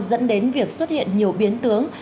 dẫn đến việc xuất hiện nhiều biến tướng